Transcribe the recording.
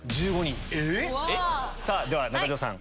では中条さん